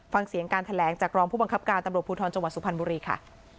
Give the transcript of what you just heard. ฟังเสียงการแถลงจากรองผู้บังคับการตำรวจภูทรจังหวัดสุพรรณบุรีค่ะ